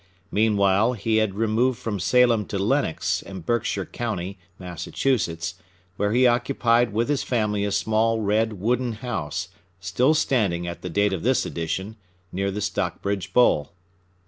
Meanwhile, he had removed from Salem to Lenox, in Berkshire County, Massachusetts, where he occupied with his family a small red wooden house, still standing at the date of this edition, near the Stockbridge Bowl.